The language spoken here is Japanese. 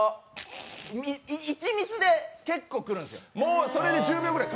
１ミスで結構来るんですよ。